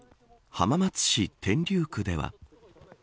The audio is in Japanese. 浜松市天竜区では。